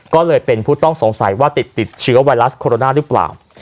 ก็เลยเป็นผู้ต้องสงสัยว่าติดเชื้อไวรัสโคโรนาหรือเปล่า